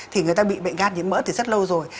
thì người ta bị bệnh gan nhiễm mỡ thì rất lâu rồi